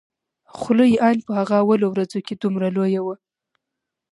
خوله يې ان په هغه اولو ورځو کښې دومره لويه وه.